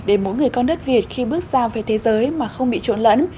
để mỗi người con đất việt khi bước ra về thế giới mà không bị trộn lẫn